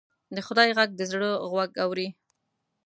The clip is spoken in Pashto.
د خدای غږ د زړه غوږ اوري